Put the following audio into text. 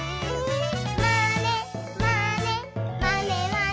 「まねまねまねまね」